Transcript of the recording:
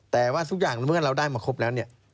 แต่ว่าทุกอย่างเมื่อเราได้มาครบแล้วเนี่ย